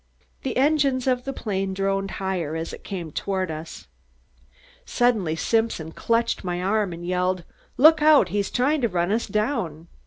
The engines of the plane droned higher as it came toward us. Suddenly Simpson clutched my arm and yelled: "Look out! he's trying to run us down."